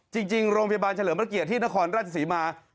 จริงโรงพยาบาลเฉลิมพระเกียรติที่นครราชศรีมา